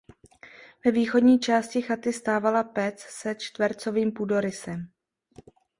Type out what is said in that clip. Ve východní části chaty stávala pec se čtvercovým půdorysem.